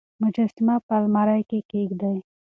مجسمه په المارۍ کې کېږدئ.